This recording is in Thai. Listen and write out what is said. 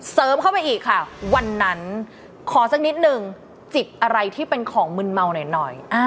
เข้าไปอีกค่ะวันนั้นขอสักนิดนึงจิกอะไรที่เป็นของมึนเมาหน่อย